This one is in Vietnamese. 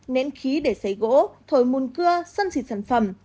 nến khí để xấy gỗ thổi mùn cưa sân xịt sản phẩm